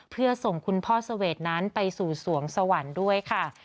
เพื่อส่งคุณพ่อเสวดนั้นไปสู่สวงสวรรค์ด้วยค่ะ